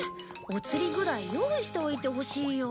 お釣りぐらい用意しておいてほしいよ。